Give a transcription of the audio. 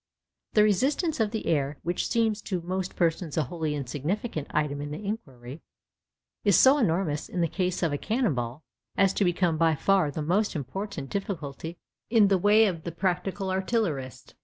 The resistance of the air, which seems to most persons a wholly insignificant item in the inquiry, is so enormous in the case of a cannon ball as to become by far the most important difficulty in the way of the practical artillerist.